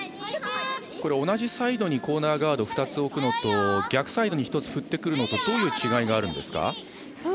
同じサイドにコーナーガードを２つ置くのと逆サイドに１つ、振ってくるのとどういう違いがあるんですか？